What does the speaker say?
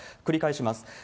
繰り返します。